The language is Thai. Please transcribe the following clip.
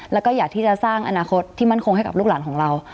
แล้วก็อยากที่จะสร้างอนาคตที่มั่นคงให้กับลูกหลานของเรา